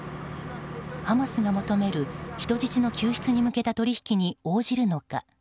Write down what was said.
ハマスが求める人質の救出に向けた取引に応じるのか。